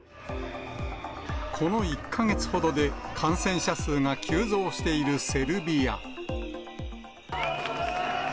この１か月ほどで感染者数が急増しているセルビア。